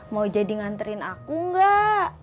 mau jadi nganterin aku enggak